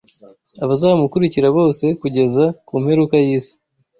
abazamukurikira bose kugeza ku mperuka y’isi